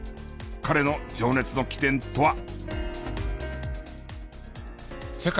彼の情熱の起点とは？